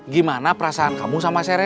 gimana perasaan kamu sama sere